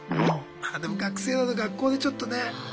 なんかでも学生は学校でちょっとね。